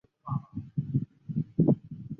也为轮椅冰壶举行世界锦标赛。